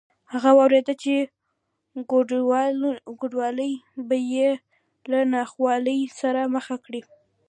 هغه وېرېده چې کوڼوالی به یې له ناخوالې سره مخ کړي